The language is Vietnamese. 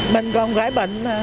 mình còn gái bệnh mà